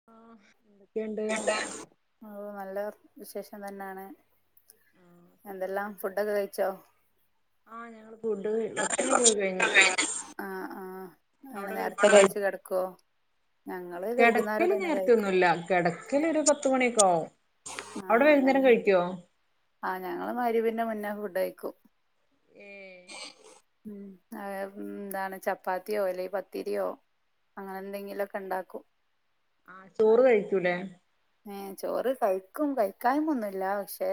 [inaudible] ഓഹ് നല്ല വിശേഷം തന്നേണ്. ആഹ് ഫുഡൊക്കെ കഴിചൊ? ആഹ് ഞ ഫുഡ്, ഭക്ഷണൊക്കെ ക കഴിഞ്ഞ്. ആ ആ അങ്ങനെ അവാടെ നേരത്തെ കഴ്ച്ചോ? കഴിച്ചു കിടക്കുവോ ഞങ്ങള് വൈകുന്നേരം കെടക്കൽ തന്നെ നേർത്തൊ കഴിക്കും ന്നുല്ല കെട ക്കാൻ ഒരു പത്ത്മണിക്കാവും. ആഹ് ഞങ ആഹ് ഞങ്ങള് മഹ്രിബിന്റെ മുന്നെ ഫുഡഴിക്കും. ഏഹ് ഉം അ എന്താണ് ചപ്പാത്തിയോ അല്ലെൽ പത്തിരോ. അങ്ങനെന്തെങ്കിലൊക്കെ ഇണ്ടാക്കും. ചോറ് കഴിക്കൂലെ? ഏഹ് ചോറ് കഴിക്കും, കഴിക്കായ് മന്നുല്യ. പക്ഷെ.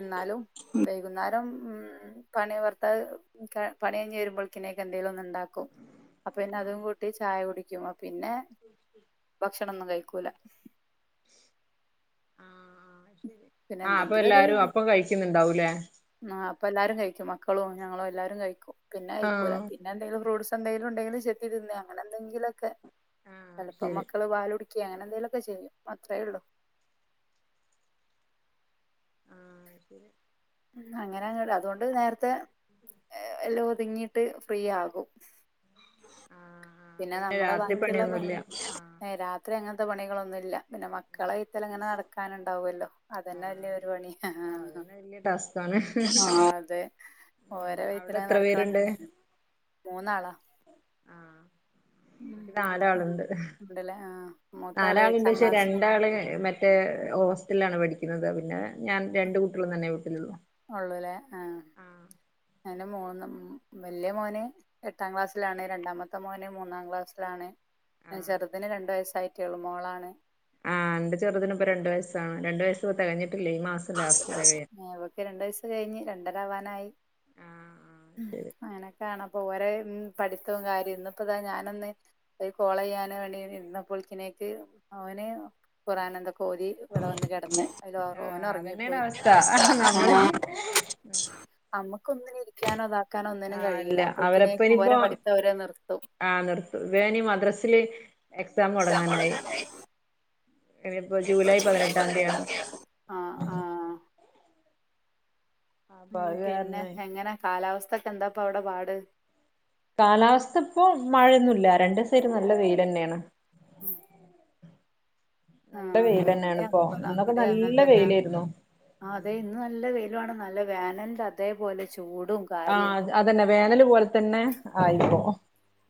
എന്നാലും വൈകുന്നേരം ഉം പണി ഭർത്താവ് പണിയ്ഞുവരുമ്പോൾത്തിനേക്ക് എന്തേലും ഒന്ന് ഉണ്ടാക്കും. അപ്പൊ പിന്നെ അതും കൂട്ടി ചായ കുടിക്കും. പിന്നെ ഭക്ഷണൊന്നും കഴീക്കൂല. ആഹ് അത് ശരി പിന്നെ ആഹ് അപ്പൊ എന്തെങ്കിലും എല്ലാരും അപ്പം കഴിക്കുന്നുണ്ടാവും ലേ ആഹ് അപ്പൊ എല്ലാരും കഴിക്കും മക്കളും ഞങ്ങളും എല്ലാരും കഴിക്കും പിന്നെ കഴിക്കൂല ആഹ് പി പിന്നെ എന്തെങ്കിലും ഫ്രൂട്ടസ് എന്തെിലും ഉണ്ടെങ്കിൽ ചെത്തി തിന്നെ, അങ്ങനെന്തെങ്കിലൊക്കെ ആഹ് ചിലപ്പോൾ ശരി മക്കള് പാൽ കുടി ക്കെ അങ്ങനെന്തേലൊക്കെ ചെയ്യും അത്രേ ഉള്ളൂ ആഹ് അങ്ങനെ അങ്ങനെ, അതുകൊണ്ട് നേരത്തെ എല്ലാം ഒതുങ്ങിട്ട് ഫ്രീ ആകും ആഹ് ആഹ് അപ്പൊ പിന്നെ നമ്മുടെ രാത്രി ബാക്കിയുള്ള പണി പണിയൊന്നുമില്ല ആഹ് ഏ രാത്രി അങ്ങനത്തെ പണികളൊന്നുമ ഇല്ല പിന്നെ മ ക്കള വൈത്താലേ ഇങ്ങനെ നടക്കാനുണ്ടാവുല്ലോ അതന്നെ ആഹ് വൽയൊയരു പണിയ ആഹ് അതന്നെ വലിയ ടാസ്ക്കാണ് ആഹ് അതെ ഓരെ വൈത്താലേ അവിടെ ഇങ്ങനെ എത്ര പേരുണ്ട് നടക്കണംന്ന മൂന്നാളാ? ആഹ് ഉം. എനിക്ക് നാലാളുണ്ട് ഉണ്ടല്ലേ ആ മൂത്താള് നാലാളുണ്ട് എട്ടാം പക്ഷെ ക്ലാസ്സില് രണ്ടാള് മറ്റ റ്റേ ഹോസ്റ്റലാണ് പഠിക്കുന്നത് പിന്നെ ഞാൻ രണ്ട കുട്ടികളും തന്നെ വീട്ടിലുള്ളു ഉള്ളൂല്ലേ ആ അന്റെ മൂന്ന് വലിയ മോന് എട്ടാം ക്ലാസ്സിലാണ് രണ്ടാമത്തെ മോന് മൂന്നാം ക്ലാസ്സിലാണ് ആഹ് ചെറുതിന് രണ്ടു വയസ്സായിട്ടേള്ളൂ മോളാണ് ആഹ് എന്റെ ചെറുതിന് ഇപ്പ രണ്ട് വയസ്സാണ് രണ്ട് വയസ് തികഞ്ഞിട്ടില്ല ഈ മാസം ലാസ്റ്റ് തികയ ഏഹ് ഇവക്ക് രണ്ടു വയസ്സ് കഴിഞ്ഞ് രണ്ടരവാനായി ഉം, ആഹ് അങ്ങനെ ണ അപ്പോ, ഓരെ പഠിത്തവും കാര്യം ഇന്ന് ഇപ്പ ഇതാ ഞാനന്ന് ഒരു കോളയ്യാൻ വേണ്ടി നിന്ന പൊളിക്കിനേക്ക് ഓൻ ഖുർആൻ എന്തൊക്കെ ഓതി ഇവിടെ വന്ന് കിടന്ന്, അതില ഓന അതന്നെയാണ് ഉറങ്ങിപ്പോയി അവസ്ഥ നമ്മള് നമ്മക്കൊന്നിനും ഒരു രിക്കാനോ ഇതാക്കാനോ ഒന്നിനും ആഹ് കഴിയില, ഇല്ല അവരപ്പ അപ്പോഴ്ക്കിനേക്കും ഇ ഇനിയിപ്പോ വരെ പഠിപ്പവര് നിർത്തും ആഹ് നിർത്തും, ഇവേനി മദ്രസില് എക്സാം മുടങ്ങാനായി, ഇനിയിപ്പോ ജൂലൈ പതിനെട്ടാം തീയതിയാണ് ആഹ് ആഹ് അപ്പൊ ഉം, അത് പിന്നെ കാരണേ എങ്ങനെ കാലാവസ്ഥ ഒക്കെ എന്താപ്പ അവിടെ പാട് കാലാവസ്ഥ ഇപ്പോ മഴയൊന്നുല്ല രണ്ടീസായിട്ട് നല്ല വെയിലന്നെയാണ് ഉം നല്ല ഇവിടെ വെയിലന്നെആണ് ഇപ്പൊ, ഇവിടെ ഇന്നൊക്കെ അവിടെ അങ്ങനെ നല്ല തന്നെ വെയിലയിരുന്നു ആ അതെ ഇന്ന് നല്ല വെയിലു ആണ് നല്ല വേനൽന്റെ അതേപോലെ ചൂടും കാര്യവും ആഹ് അതന്നെ വേനല് പോലെ തന്നെ ഉം ആയിപ്പോ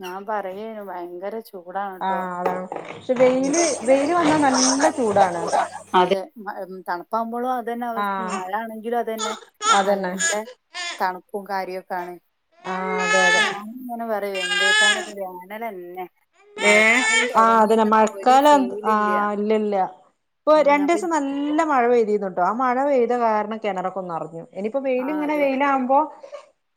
ഞാൻ പറയേനു ഭയങ്കര ചൂടാണ് ട്ടോ ആഹ് അതാണ് പക്ഷെ ഉം വെയില് വെയില് വന്നാ നല്ല ചൂടാണ് അതെ മഴ മ് തണു പവുമ്പോളും അത് തന്നെ അവസ്ഥ, ആഹ് മഴ ആണെങ്കിലും അത് തന്നെ അതന്നെ നല്ല തണുപ്പും കാര്യൊക്കെ ആണ് ആ അതെ അതെ ഞാൻങ്ങനെ പറയും, എന്തേതാണത് വേനലന്നെ ഏഹ് മഴക്കാലം ആഹ് അതന്നെ തുടങ്ങീന്നുള്ള ഒരു മഴക്കാലം എ ആ ഫീലില്ല ഇല്ല, ഇല്ല ഇപ്പൊ ഉം അപ്പൊ ഈ- രണ്ടീസം നല്ല ല്ല മഴ പെയ്തീനുട്ടോ, ആ മഴ പെയ്ത കാരണം കിണറക്കൊന്ന് നറിഞ്ഞു ഇനിപ്പോ ആ വെയിലിങ്ങനെ അതെ വെയിലാവുമ്പോ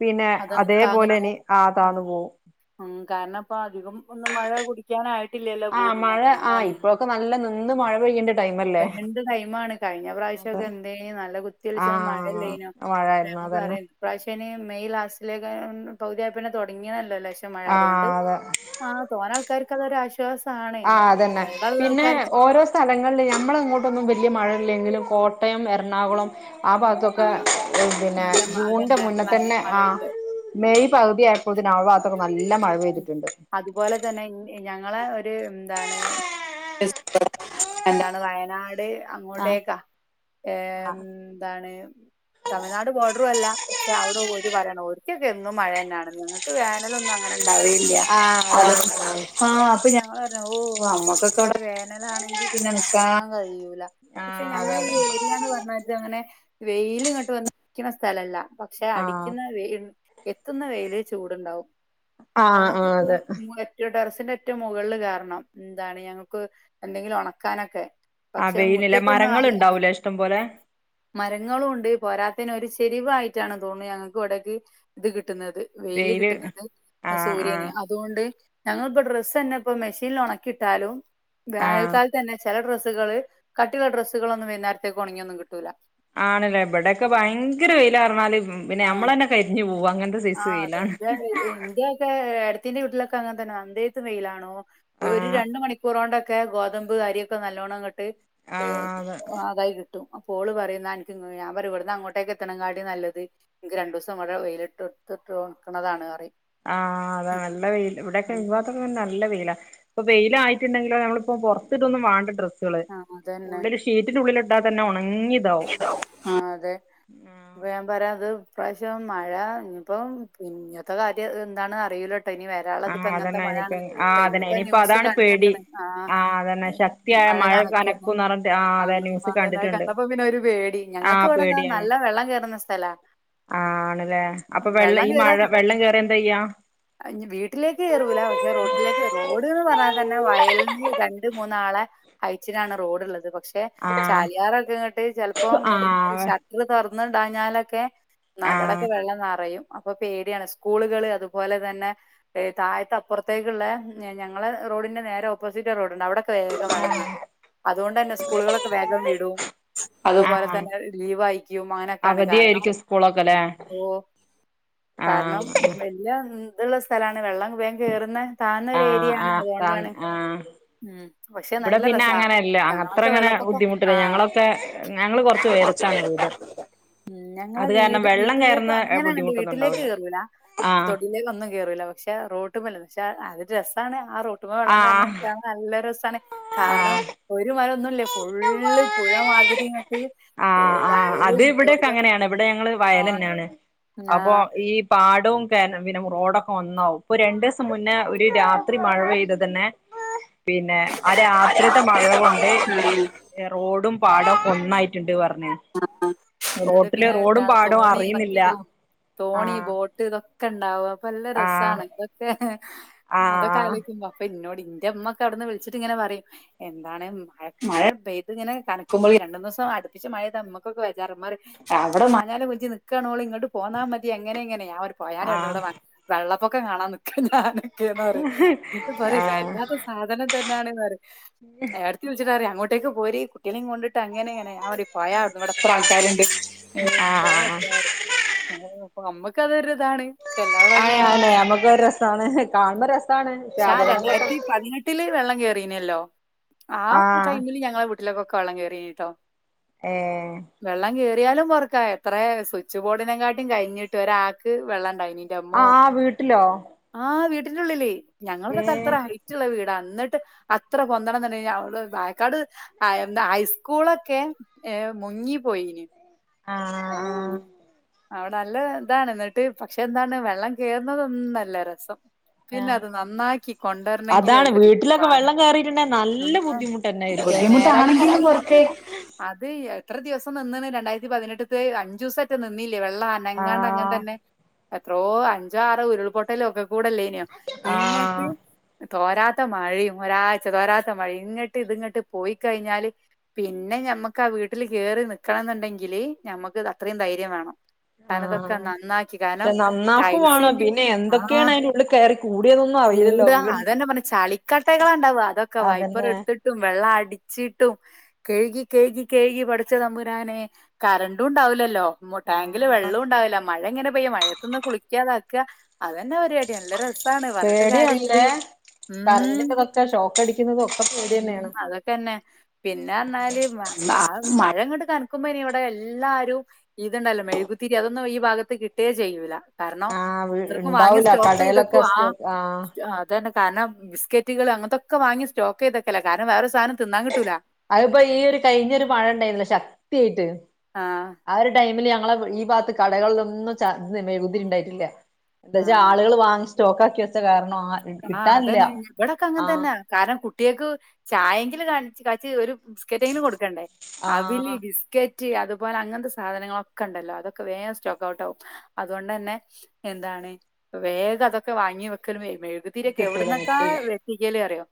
പിന്നെ അതങ്ങ് താന്നു അതേപോലെ ഇനി ആ പോവും താന്ന് പോവും ഉം കാരണം ഇപ്പ അധികം ഒന്ന് മഴ കുടിക്ക കിക്കാനായിട്ടില്ലല്ലോ ആഹ് ഭൂമിയെ മഴ ആഹ് അതുകൊണ്ടാണ് ഇപ്പോഴൊക്കെ നല്ല നിന്ന് മഴ പെയ്യേണ്ട ടൈമല്ലേ [unintelligible] ടൈമാണ് കഴിഞ്ഞ പ്രാവശ്യം അതെ ഒക്കെ എന്തേനി നല്ല കുത്തി ഒലിച്ച്ണ ആഹ് മഴല്ലേനോ മഴായിരുന്നു അതന്നെ പറയുന്നു ഇപ്രാവശ്യ ഇനി മെയ് ലാസ്റ്റിലേക്ക പകുതിയായ പിന്നെ തുടങ്ങിയ ന്ല്ലോ ലേശം മഴ അതുകൊണ്ട് ആഹ് അതെ ആഹ് തോനആൾക്കാർക്ക് അതൊ ഒരു ആശ്വാസം ആ അതന്നെ പിന്നെ ഓരോ സ്ഥലങ്ങളിൽ നമ്മളങ്ങോട്ടൊന്നും വലിയ മഴയില്ലെങ്കിലും കോട്ടയം എറണാകുളം ആ ഭാഗ തൊക്കെ ആഹ് പിന്നെ നല്ല മ- ജൂണിന്റെ അതന്നെ മുന്നേ നല്ല തന്നെ ആ മഴയുണ്ട് മെയ് പകുതിയായപ്പോത്തിന് ആ ഭാഗത്തൊക്കെ നല്ല മഴ ഉം. പെയ്തിട്ടുണ്ട്. അതുപോലെ തന്നെ ഞങ്ങളെ ഒരുന്താണ് [unintelligible] എന്താണ് വയനാട് ആഹ് അങ്ങോട്ടേക്കാ ഏ ആഹ് ന്താണ് തമിഴ്നാട് ബോർഡറുല്ല പക്ഷെ അവിടെ ഒരു പറയണം ഓൽക്കൊക്കെ എന്നും മഴന്നെണ്ന്ന് ഞങ്ങൾക്ക് വേനല ഒന്നും അ ഇങ്ങനെണ്ടാവേല്ല്യാ ആഹ് അത് അതാണ് ആഹ് ആ പ ഞങ്ങളറ് ഓ നമ്മക്കൊക്കെ ഇവിടെ വേനലാണെങ്കി പിന്നെ നിക്കാൻ കഴിയൂല പക്ഷെ ആഹ് ഞങ്ങളെ അതാണ് ഈ ഏരിയിൽ ന്ന് പറഞ്ഞാതങ്ങനെ വെയിൽ ങ്ങോട്ട് വന്നരിക്കുന്ന സ്ഥലല്ല പക്ഷെ ആഹ് അടിക്കുന്ന വെ എത്തുന്ന വെയിൽ ചൂടുണ്ടാവും ആ ആ ഞങ്ങൾക്കിപ്പോ അതെ ടെറസിന്റെ ഏറ്റും മുകളില് കേറണം ന്താണ് ഞങ്ങൾക്ക് എന്തെങ്കിലും ഒണക്കാനൊക്കെ ആ പക്ഷെ വെയില്ല്ലെ മുറ്റത്തൊന്നും മരങ്ങളുണ്ടാവൂലെ ഇഷ്ടം പോലെ മരങ്ങളുണ്ട് പോരാത്തേന് ഒരു ചെരിവായിട്ടാണ് തോന്നു ഞങ്ങൾക്ക് ഇവിടക്ക് ഇത് കിട്ടുന്നത് വെയില് കിട്ടുന്നത് ആ ആഹ് ആഹ് സൂര്യന് അതുകൊണ്ട് ഞങ്ങി ൾപ്പോ ഡ്രസ്സ് തന്നെ ഇപ്പ മെഷീനിൽ ഒണക്കിട്ടാലും ആഹ് വേനൽക്കാലതന്നെ ചില ഡ്രസ്സുകള് കട്ടിള്ള ഡ്രസ്സുകളൊന്നും വൈകുന്നേരത്തേക്ക് ഉണങ്ങിയൊന്നും കിട്ടൂല്ല ആണല്ലെ ഇവിടെക്കെ ഭയങ്കര വെയ്ലാറ്ഞ്ഞാല് പിന്നെ നമ്മളന്നെ കരിഞ്ഞു പോവ അങ്ങനത്തെ ആ സൈസ് അതെ വെയിലാണ് എട്ടത്തിന്റെ വീട്ടിലൊക്കെ അങ്ങനെ തന്നെ [unintelligible] വെയിലാണോ ഒരു ആഹ് രണ്ട് മണിക്കൂറോണ്ടൊക്ക ക്കെ ഗോതമ്പ് അരിക്കെ നല്ലോണങ്ങട്ട് ആഹ് അതെ ആതായി കിട്ടും. കും അപ്പോള് പറയും ന്ന അൻക്ക്ഞാൻ പറയും ഇവടന്ന് അങ്ങോട്ടേക്ക് എത്തണകാട്ടി നല്ലത് ഇൻക്ക് രണ്ടുസം വടെ വെയിലിട്ട് ഇട്ട് ഒണക്കണാതാണ് റിം ആ ആതാ നല്ല വെയിൽ ഇവിടെക്കെ ഇ നല്ല വെയിലാ പ്പൊവെയിലായിട്ടുണ്ടെങ്കി മ്മളിപ്പ പൊറത്തിടൊന്നും വാണ്ട ഡ്രസ് സ്ള് ആഹ് അതന്നെ ഉള്ളില് ഷീറ്റിൻ്റുള്ളിലിട്ടാതെന്നെ ഒണങ്ങിതാവും ആ അതെ ഇപ്പൊ ഞാൻ പറയാ അത് ഇപ്രാവശ്യം മഴ ഇഞ്ഞ്പ്പോം ഇ ഞ്ഞത്തെ കാര്യം എന്താണറിയുലട്ടോ ഇനി വ ഒരാളത്പ്പ ആഹ് ങ്ങനത്തെ അതന്നെ മഴാ ഇനിപ്പ ആഹ് അതന്നെ ഇന്നത്തെ ഇനിയിപ്പോ ന്യൂസ് അതാണ് പേടി കണ്ടിക്ക്ണ്. ആ ആഹ് അതന്നെ ശക്തിയായ മഴ കനക്കുന്നു കനക്കുംന്ന് പറഞ്ഞിട്ട് ആഹ് ആ അതെ ന്യൂസ് [unintelligible] കണ്ടിട്ടുണ്ട് കണ്ട അപ്പൊ പിന്നെ ഒരു പേടി ഞങ്ങക്ക് ആഹ് ഇവിടെ പേടിയാണ് നല്ല വെള്ളം കേറുന്ന സ്ഥലാ ആണല്ലേ അപ്പൊ വെള്ളം ഈ മഴ വെള്ളം കേറിന്താ ചെയ്യാ വീട്ടിലേക്ക് കേറൂല പക്ഷെ റോട്ടിലേക്ക് റോഡ്ന്ന് പറഞ്ഞാ തന്നെ വയലിന് രണ്ട് മൂന്നാളെ ഹൈറ്റിലാണ് റോഡുള്ളത് പക്ഷെ പക്ഷെ ആഹ് ചാലിയാറൊക്കെങ്ങട്ട് ചെലപ്പോം ആഹ് ഷട്ടർ തുറന്ന് ടാഞ്ഞാലൊക്കെ ആഹ് ഇവിടൊക്കെ വെള്ളം നറയും അപ്പൊ പേടിയാണ് സ്കൂളുകള് അതുപോലെ തന്നെ ഏ താഴത്തപ്പുറത്തേക്കുള്ള ഞങ്ങള റോഡിന്റെ നേരെ ഓപ്പോസിറ്റ് റോഡ്ണ്ട് അവടെ വേഗം വള്ളം നിറയും അതുകൊണ്ട് തന്നെ സ്കൂളുകളൊക്കെ വേഗം വിടും. അതുപോലെ ആഹ് തന്നെ ലീവായിക്കും അങ്ങനെക്കെയാണ് കാരണം. അവധിയായിരിക്കും സ്കൂളൊക്കെല്ലേ ഓ ആഹ് കാരണം എല്ല ഇതുള്ള സ്ഥലാണ് വെള്ളം വേ ാം കേറുന്ന താഴ്ന്ന ഒരു ആഹ ഏരിയ ആ ആണ് അതുകൊണ്ടാണ് ആഹ ഉം പക്ഷെ ഇവിടെ നല്ല പിന്നെ രസാ അങ്ങനെല്ല അ ഞങ്ങളൊക്കെ അത്രങ്ങനെ വെള്ളപ്പൊക്കം ആ ബുദ്ധിമുട്ടില്ല ഞങ്ങളൊക്കെ ഞങ്ങൾ കൊറച്ച് ച്ച് ഉയരത്താണ് വീട് ഉം ഞങ്ങളെ അത് കാരണം വീട് വെള്ളം വീട്ടിലേക്ക് കയറുന്ന അങ്ങനാങ്ങട്ട് ബുദ്ധിമുട്ടൊന്നും വീട്ടിലേക്ക് ഉണ്ടാവില്ല കേറൂലാ ആഹ് തൊടിലേക്കന്നും കേറൂല പക്ഷെ റോട്ടുമ്മല് പക്ഷ അത് രസാണ് ആഹ് റോട്ടുമ്മ വെള്ളം കേറണ ആഹ് കാണാൻ നല്ല രസമാണ് കാരണം ആഹ് ഒരു മരൊന്നും ല്ലാഫുള്ള് പുഴ മാതിരിങ്ങ ആഹ് ആഹ് അത് ഇതൊ- ഇവിടെക്കെങ്ങനെണ് ഇവിടെ ഞങ്ങള് വയൽന്നെണ് ആ അപ്പൊ ഈ പാടോം ക പിന്നെ റോഡൊക്കെ ഒന്നാവും ഇപ്പൊ രണ്ടു ദിവസം മുന്നേ ഒരു രാത്രി മഴപെയ്ത തന്നെ പിന്നെ ആഹ് രാത്രിത്തെ മഴ കൊണ്ട് ആ റോഡും പാടം കൊന്നായിട്ടുണ്ട് പറഞ്ഞ ആഹ് എന്നിട്ട് പിന്നെ പാടവും തോണി അറിയുന്നില്ല എക്കലും തോണി ആഹ് ബോട്ട് ഇതൊക്കെ ക്കെ ണ്ടാവും അപ്പൊ നല്ല ആഹ് രസണ് ഇതൊക്കെ അതൊക്കെ ആഹ് ആലോയിക്കുമ്പോ അപ്പൊന്നോട് ഇന്റെമ്മൊക്കെവിന്ന് വിളിട്ട് ഇങ്ങനെ പറയും എന്താണ് മഴ മഴ പെയ്ത് ഇങ്ങനെ തണുക്കുമ്പോഴ രണ്ടുമൂന്നുസം അടുപ്പിച്ച് മഴ മ്മക്കൊക്കെ വേചാറ മാറീഅവിടെ മാഞ്ഞാളകുത്തി നിക്കണോള് ഇങ്ങട്ട് പോന്നാ മതി അങ്ങനെ ഇങ്ങനെ പോയണിവിടുന്നു ഇവിടെ വെള്ളപ്പൊക്കം കാണാൻ നിക്ക ഞാനൊക്കെന്നറയും എന്നിട്ട് പറയും ആഹ് വല്ലാത്ത സാധനം തന്നെണ്റയും ഏടത്തി വിളിച്ചിട്ടറയും അങ്ങോട്ടേക്ക് പോര് കുട്ടികളെ കൊണ്ട് അങ്ങനെങ്ങെ റീം പോയവിടെ എത്ര ആൾക്കാരുണ്ട് ഉം ആഹ് പോവാൻ ആഹ് വജ്ജാറീം അപ്പൊ നമ്മക്ക് അതൊരു ഇതാണ് പക്ഷെ എല്ലാ പ്രാവശ്യം ആഹ് ഇങ്ങനെ അയനെ കാണുമ്പോ നമ്മുക്ക് ഒരു രസണ് കാണുമ്പോ ഒരു രസണ് പക്ഷേ അപകടങ്ങളൊക്കെ തമിഴ്തിനെട്ടില് വെള്ളം കേയറീനല്ലോ ആ ആഹ് ടൈമില് ഞങ്ങളെ വീട്ടിലേക്കൊക്കെ വെള്ളം കയറീനട്ടോ ഏഹ് വെള്ളം കേറിയാലും പൊറുക്കാ എത്ര സ്വിച്ച് ബോർഡിനെക്കാട്ടിലും കഴിഞ്ഞിട്ട് ഒരാൾക്ക് വെള്ളം ഇണ്ടായിനി ആഹ് വീട്ടിലോ ആഹ് വീട്ടിന്റുള്ളിലേ ഞങ്ങളപ്പോ ഏ തലത്രറ ആയി റ്റുള്ള വീട് എന്നിട്ട് അത്ര പൊന്തണംന്ന് ണ്ടേൽ വായക്കാട് ആഹ് എന്താ ഹൈസ്കൂളൊക്കെ ഏഹ് മുങ്ങി പോയിന് ആഹ് അവിടെ നല്ല താണ് എന്നിട്ട് പക്ഷെ എന്താണ് വെള്ളം കേറുന്നതൊന്നല്ല രസം പിന്നെ ആഹ് അത് നന്നാക്കി അതാണ് കൊണ്ടരണങ്കിൽള്ളരു വീട്ടിലൊക്കെ പണി വെള്ളം കേറിയിട്ടുണ്ടെ നല്ല ബുദ്ധിമുട്ടന്നായിരിക്കും അത് നേരാക്കി ബുദ്ധിമുട്ടാണെങ്കിലും കൊണ്ടുവരാൻ കുറച്ചു അത് എത്ര ദിവസം നിന്നന്ന് രണ്ടായിരത്തി പതിനെട്ടത്ത് അഞ്ചുസറ്റെ നിന്നില്ലേ വെള്ളം അനങ്ങാണ്ട് അങ്ങനെ ആഹ് തന്നെ എത്രോ അഞ്ചോ ആറോ ഉരുൾപൊട്ടലോക്കെ കൂടെല്ലേയിനോ ഇങ്ങട്ട് ആഹ് തോരാത്ത മഴയും ഒരാഴ്ച തോരാത്ത മഴയും ഇങ്ങട്ട് ഇതങ്ങോട്ട് പോയി കഴിഞ്ഞാല് പിന്നെ ഞമ്മക്ക് ആഹ് വീട്ടിൽ കേറി നിക്കണം എന്നുണ്ടെങ്കില് ഞമ്മക്ക് അത്രയും ധൈര്യം വേണം കരണംതൊക്കെ ആഹ് നന്നാക്കി കാരണം പക്ഷെ നന്നാക്കും വേണം ടൈൽസിന്റേം പിന്നെ ആഹ് എന്തൊക്കെയാണ് അതിന്റെ ഉള്ളിൽ കയറി കൂടിയതൊന്നും കൂട അറിയില്ലല്ലോ വീട് അതന്നെ പറഞ്ഞ ചളിക്കട്ടകള ണ്ടാവ അതൊക്കെ വൈപ്പർ അതന്നെ എടുത്തിട്ട് ട്ടും വെള്ളം അടിച്ചിട്ടും കഴുകി കഴുകി കഴുകി പടച്ച തമ്പുരാനെ കരണ്ടുംണ്ടാവില്ലല്ലോ ടാങ്കില് ആഹ് വെള്ളോംണ്ടാവില്ല മഴ എങ്ങനെ പെയ്യ മഴത്തുനിന്ന് കുളിക്കാതാക്ക അതന്നെ പരിപാടി നല്ല രസം സാണ് പറഞ്ഞിട്ട് കാര്യല്ല പേടിയാണല്ലേ ഉം കറന്റിന്റെതൊക്കെ ഷോക്ക് അടിക്കുന്നതും ഒക്കെ പേടി ഉം തന്നെയാണ് അതൊക്കെന്നെ പിന്നെരഞ്ഞാല് മഴ ഇങ്ങോട്ട് കനക്കുമ്പോ ഇനി ഇവിടെ എല്ലാരും ഇതുണ്ടല്ലോ മെഴുകുതിരി അതൊന്നും ഈ ഭാഗത്ത് കിട്ടേ ചെയ്യൂല കാരണം ആഹ് ത്രക്കും വാങ്ങിയ ഉണ്ടാവൂല സ്റ്റോക്ക് കടയിലൊക്കെ ചെയ്തക്കും ആഹ് സ്റ്റോക്ക് അതന്നെ കാരണം ബിസ്ക്കറ്റുകൾ അങ്ങത്തൊക്കെ വാങ്ങി സ്റ്റോക്കതക്കല കാരണം വേറെ ഒരു സധനം തിന്നാൻ കിട്ടൂല്ല അതിപ്പോ ഈ ഒരു കഴിഞ്ഞൊരു മഴ ഇണ്ടായിരുന്നു ശക്തിയായിട്ട് ആഹ് ആഹ് ഒരു ടൈമില് ഞങ്ങളെ ഈ ഭാഗത്ത് കടകളിലൊന്നും ച മെയുകുതിരി ണ്ടായിട്ടില്ല എന്താച്ചാ ആഹ് ആളുകൾ വാങ്ങി സ്റ്റോക്ക് ആക്കി വെച്ച കാരണം ആഹ് കിട്ടാനില്ല അതന്നെ ഇവിടൊക്കെ അങ്ങനെ ആഹ്. തന്നാ. കാരണം കുട്ടിയേക്ക് ചായെങ്കിലും കാണി കാച്ച് ഒരു ബിസ്ക്കറ്റങ്കിലും കൊടുക്കണ്ടേ അവില്, ആഹ് ബിസ്ക്കറ്റ് റ്റ് അതുപോലെ അങ്ങനത്തെ സാധനങ്ങളൊക്കെ ഉണ്ടല്ലോ അതൊക്കെ വേറെ സ്റ്റോക്ക് ഔട്ട് ആകും അതുകൊണ്ടന്നെ എന്താണ് വേഗം അതൊക്കെ വാങ്ങി വെക്കണ് വ മെഴു തിരിയോക്കെ കിട്ടൂല എവിടന്നൊക്കാ കിട്ടില്ല വെറിത്തിക്കല് അറിയോ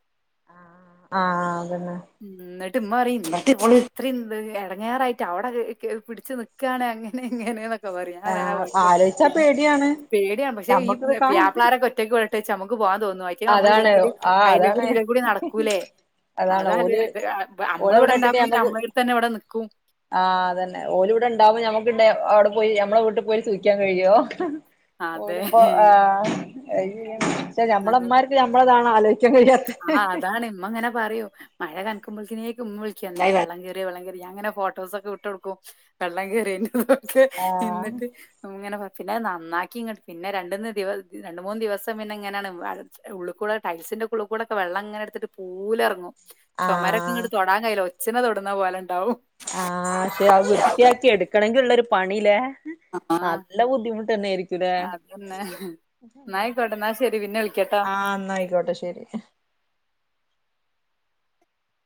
ആഹ് അതന്നെ എന്നിട്ട് മ്മ പറയിം എന്റെ മോള് ഇത്ര ഇറങ്ങാറായിട്ട് അവിടെ പിടിച്ചുനിക്ക് ക്കാണ് അങ്ങനെ ഇങ്ങന. പേടിയാണ് ആഹ് പക്ഷെ ആലോചിച്ചാ ഈ പേടിയാണ് പേടി ആണ് പക്ഷേ ഞമ്മക്കിത് കാ പ്യാപളാരൊക്കെ ഒറ്റക്ക് പണ. ട്ടേച്ച് നമുക്ക് പോവാതോന്നോ അതിറ്റേള് അതാണ് നമ്മള്ഇല്ലെങ്കില് ആഹ് അയിലേകൂടി അതാണ് ഇതിലെകൂടി നടക്കൂല്ലേ അതാണ് അതല്ലേ ഓല് നമ്മള് ഇവിടെ ഓലെവിടെ ഇട്ടിട്ട് ഇണ്ടാകുബെ ഞമ്മക്ക് നമ്മളടുത്ത് തന്നെ ഇവിടെ നിക്കും. ആഹ് ഓല് ഇവിടെ ഇണ്ടാവുമോ ഞമ്മക്ക് അവിടെ പോയി നമ്മടെ വീട്ടിൽ പോയി സൂകിക്കാൻ കഴിയോ അതെ ഓരിപ്പോ ആഹ് ച്ച നമ്മമ്മാർക്ക് നഞമ്മളതന്നേണ് ആലോയിക്കാൻ കഴിയാറ്. ആഹ് അതാണ് ഇമ്മ അങ്ങനെ പറയോ മഴ കനക്കുമ്പോക്കിനേക്കും ഉമ്മവിളിക്കും എന്തായി വെള്ളം കേറിയോ വെള്ളം കേറിയോ ഞാനിങ്ങനെ ഫോട്ടോസൊക്കെ വിട്ട് കൊടുക്കും. വെള്ളം കേയറിതിന്റെ ആഹ് ക്കൈഎന്നിട്ട്. ഇങ്ങനെ പിന്നെ നന്നാക്കി ഇങ്ങട്ട പിന്നെ രണ്ടന്ന് ദിവസ രണ്ട മൂന്ന് ദിവസം പിന്നെ ഇങ്ങനെയാണ്. ഉള്ള്കൂടെ ടൈൽസിന്റെ ഒക്കെ ഉള്ളുകൂടൊക്കെ വെള്ളംങ്ങനെടുത്തിട്ട് പൂലെറങ്ങും ചുമര- ആഹ് ങ്ങട്ട തൊടാൻ കയ്യില്ല ഒച്ചിനെ തൊടുന്ന പോലെ ഇണ്ടാവും. ആക്ഷെ അത് വൃത്തിയാക്കി എടുക്കണങ്കിഉള്ള പണില്ലേ. ആ നല്ല ബുദ്ധിമുട്ടന്നേരിക്കുംലേ അതന്നെ. ന്നാ ആയിക്കോട്ടെ ന്നാ ശരി പിന്നെ വിളിക്കട്ടോ. ആഹ് ഇന്നായിക്കോട്ടെ ശെരി.